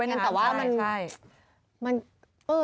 ไม่เห็นแต่ว่าอย่างนั้นแต่ว่ามันใช่